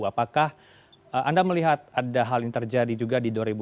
apakah anda melihat ada hal yang terjadi juga di dua ribu dua puluh